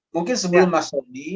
mungkin sebelum mas soni